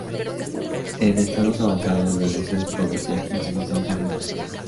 En estados avanzados, las lesiones producen insuficiencia renal.